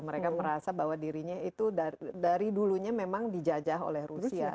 mereka merasa bahwa dirinya itu dari dulunya memang dijajah oleh rusia